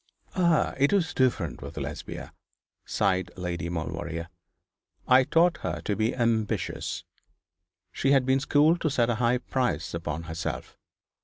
'Ah! it was different with Lesbia,' sighed Lady Maulevrier. 'I taught her to be ambitious. She had been schooled to set a high price upon herself.